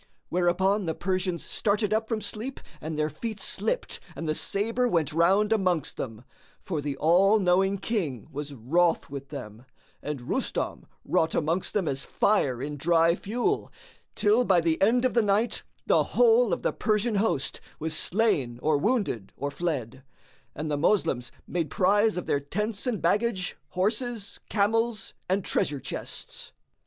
Whereupon the Persians started up from sleep and their feet slipped and the sabre went round amongst them; for the All knowing King was wroth with them, and Rustam wrought amongst them as fire in dry fuel; till, by the end of the night, the whole of the Persian host was slain or wounded or fled, and the Moslems made prize of their tents and baggage, horses, camels and treasure chests.